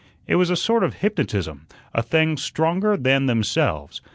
It was a sort of hypnotism, a thing stronger than themselves.